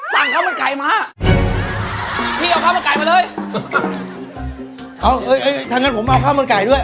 ทำไมอ่ะอย่าไปทางเลยสิเดี๋ยวเดียว